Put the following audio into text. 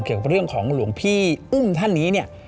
เกี่ยวกับเรื่องของหลวงพี่อุ้มท่านนี้เนี่ย